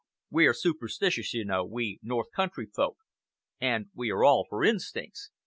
We're superstitious, you know, we north country folk, and we are all for instincts.